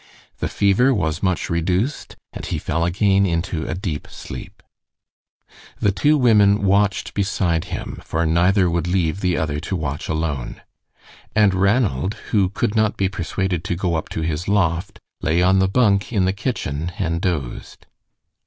The fever was much reduced, and he fell again into a deep sleep. The two women watched beside him, for neither would leave the other to watch alone. And Ranald, who could not be persuaded to go up to his loft, lay on the bunk in the kitchen and dozed.